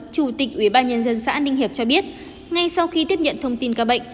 chủ tịch ủy ban nhân dân xã ninh hiệp cho biết ngay sau khi tiếp nhận thông tin ca bệnh